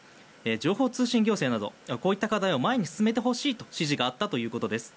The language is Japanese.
情報通信行政などこういった課題を前に進めてほしいと指示があったということです。